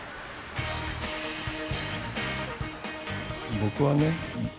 僕はね